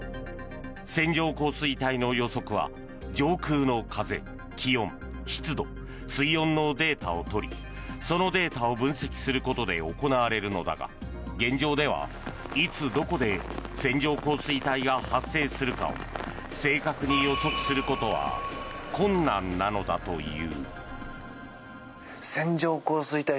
線状降水帯の予測は、上空の風気温、湿度、水温のデータを取りそのデータを分析することで行われるのだが現状では、いつどこで線状降水帯が発生するかを正確に予測することは困難なのだという。